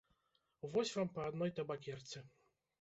Вось вам па адной табакерцы!